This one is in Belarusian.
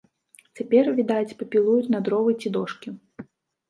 Цяпер, відаць, папілуюць на дровы ці дошкі.